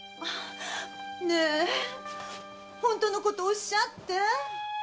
⁉ねえ本当のことおっしゃって。